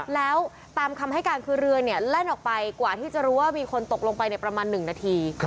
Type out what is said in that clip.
แล้วตามคำให้การคือเรือเนี่ยแล่นออกไปกว่าที่จะรู้ว่ามีคนตกลงไปในประมาณ๑นาที